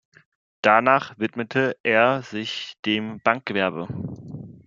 Danach widmete er sich dem Bankgewerbe.